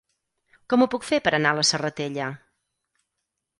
Com ho puc fer per anar a la Serratella?